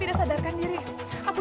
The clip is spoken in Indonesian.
cepat aku mau